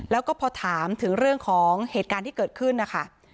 แล้วก็พอถามถึงเรื่องของเหตุการณ์ที่เกิดขึ้นนะคะ